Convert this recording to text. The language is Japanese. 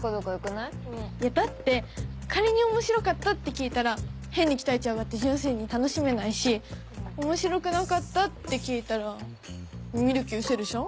いやだって仮に面白かったって聞いたら変に期待値上がって純粋に楽しめないし面白くなかったって聞いたら見る気失せるじゃん？